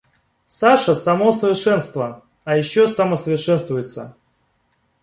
Саша само совершенство, а ещё самосовершенствуется.